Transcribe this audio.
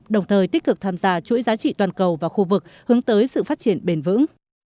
đồng thời tích cực tham gia chuỗi giá trị toàn cầu và khu vực hướng tới sự phát triển bền vững